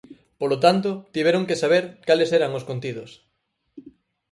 Polo tanto, tiveron que saber cales eran os contidos.